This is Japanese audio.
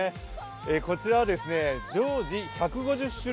こちらは常時１５０種類